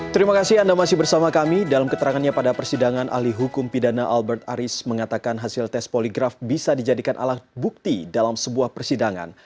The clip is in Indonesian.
terima kasih anda masih bersama kami dalam keterangannya pada persidangan ahli hukum pidana albert aris mengatakan hasil tes poligraf bisa dijadikan alat bukti dalam sebuah persidangan